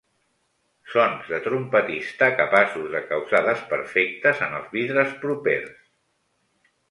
Sons de trompetista capaços de causar desperfectes en els vidres propers.